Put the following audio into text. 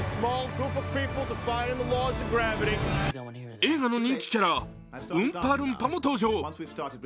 映画の人気キャラ、ウンパルンパも登場。